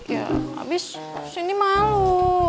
ya abis sindi malu